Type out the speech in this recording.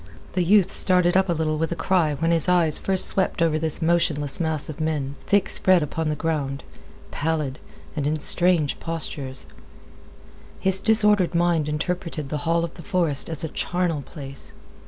The youth started up with a little cry when his eyes first swept over this motionless mass of men, thick spread upon the ground, pallid, and in strange postures. His disordered mind interpreted the hall of the forest as a charnel place.